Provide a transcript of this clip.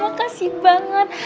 mas makasih banget